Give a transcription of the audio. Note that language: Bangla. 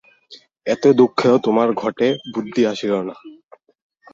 এত দুঃখেও তোমার ঘটে বুদ্ধি আসিল না।